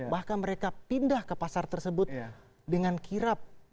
bahkan mereka pindah ke pasar tersebut dengan kirap